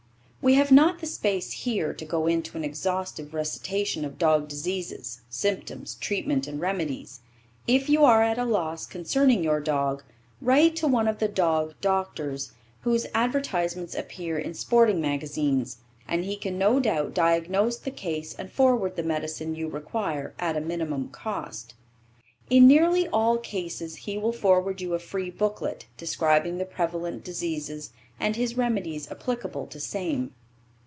We have not the space here to go into an exhaustive recitation of dog diseases, symptoms, treatment and remedies. If you are at a loss concerning your dog, write to one of the Dog Doctors, whose advertisements appear in sporting magazines, and he can no doubt diagnose the case and forward the medicine you require at a minimum cost. In nearly all cases he will forward you a free booklet describing the prevalent diseases and his remedies applicable to same.